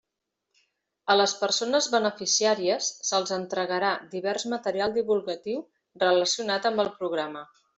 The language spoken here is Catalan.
A les persones beneficiàries se'ls entregarà divers material divulgatiu relacionat amb el programa.